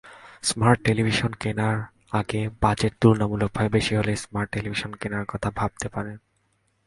Smart television কেনার আগেবাজেট তুলনামূলকভাবে বেশি হলে স্মার্ট টেলিভিশন কেনার কথা ভাবতে পারেন।